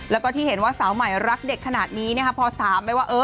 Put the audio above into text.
แล้วก็ที่เห็นว่าสาวใหม่รักเด็กขนาดนี้พอถามไปว่า